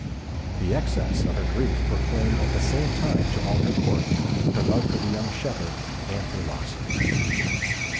The excess of her grief proclaimed at the same time to all her Court, her love for the young shepherd, and her loss of him.